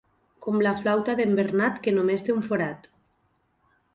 Com la flauta d'en Bernat, que només té un forat.